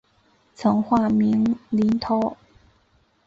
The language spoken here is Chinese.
曾化名林涛。